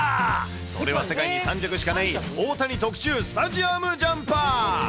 それは世界に３着しかない、大谷特注スタジアムジャンパー。